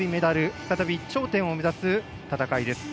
再び頂点を目指す戦いです。